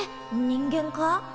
人間か？